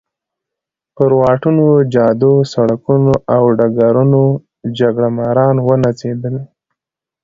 پر واټونو، جادو، سړکونو او ډګرونو جګړه ماران ونڅېدل.